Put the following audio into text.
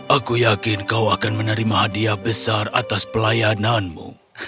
aku yakin kau akan menerima hadiah besar atas pelayananmu